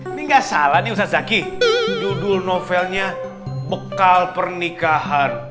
ini nggak salah nih usaki judul novelnya bekal pernikahan